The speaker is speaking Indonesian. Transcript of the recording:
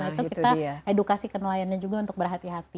nah itu kita edukasi ke nelayannya juga untuk berhati hati